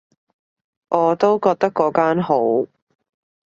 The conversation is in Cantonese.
我都覺得嗰間好